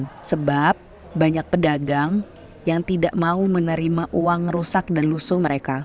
karena banyak pedagang yang tidak mau menerima uang rusak dan lusuh mereka